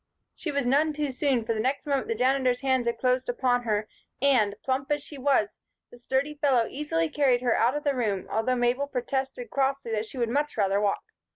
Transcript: She was none too soon, for the next moment the Janitor's hands had closed upon her and, plump as she was, the sturdy fellow easily carried her out of the room, although Mabel protested crossly that she would much rather walk.